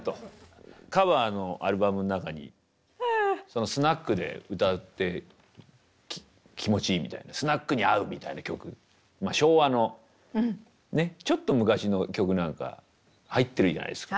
カヴァーのアルバムの中にスナックで歌って気持ちいいみたいなスナックに合うみたいな曲まあ昭和のねちょっと昔の曲なんか入ってるじゃないですか。